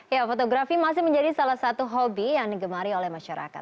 ya fotografi masih menjadi salah satu hobi yang digemari oleh masyarakat